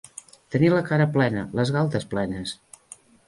Tenir la cara plena, les galtes plenes.